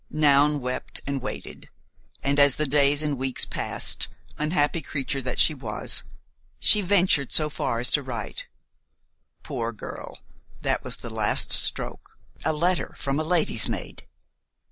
Noun wept and waited, and as the days and weeks passed, unhappy creature that she was, she ventured so far as to write. Poor girl! that was the last stroke. A letter from a lady's maid!